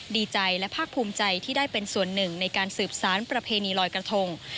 ดีใจและภาคภูมิใจที่ได้เป็นส่วนหนึ่งในการสืบสารประเพณีลอยกระทง